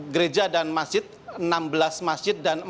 gereja dan masjid enam belas masjid